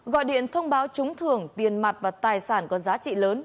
gọi điện thông báo trúng thưởng tiền mặt và tài sản có giá trị lớn